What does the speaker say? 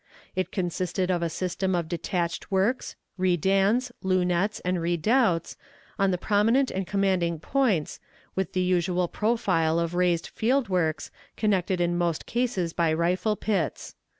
It consisted of a system of detached works, redans, lunettes, and redoubts, on the prominent and commanding points, with the usual profile of raised field works, connected in most cases by rifle pits.